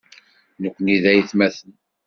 Nekkni d aytmaten.